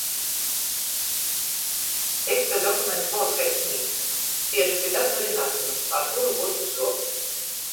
Teksta dokuments bolts kai snīgs, siežu pi datora i nazynu, ar kuru burtu suokt.